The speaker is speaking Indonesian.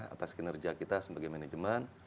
atas kinerja kita sebagai manajemen